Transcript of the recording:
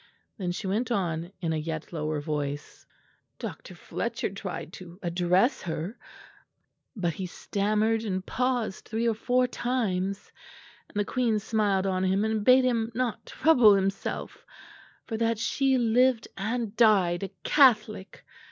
Then she went on in a yet lower voice. "Dr. Fletcher tried to address her, but he stammered and paused three or four times; and the queen smiled on him and bade him not trouble himself, for that she lived and died a Catholic.